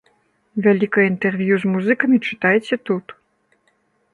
Вялікае інтэрв'ю з музыкамі чытайце тут!